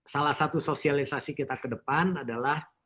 salah satu sosialisasi kita ke depan adalah